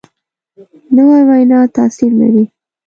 نوې وینا تاثیر لري